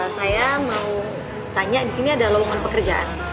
saya mau tanya disini ada lowongan pekerjaan